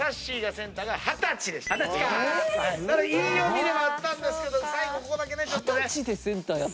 いい読みではあったんですけど最後ここだけちょっとね。